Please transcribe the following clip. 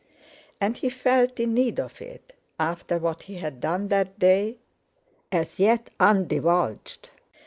And he felt in need of it, after what he had done that day, as yet undivulged.